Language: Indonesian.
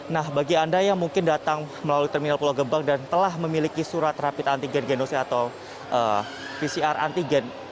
nah bagi anda yang mungkin datang melalui terminal pulau gebang dan telah memiliki surat rapid antigen genosi atau pcr antigen